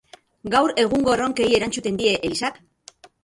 Gaur egungo erronkei erantzuten die elizak?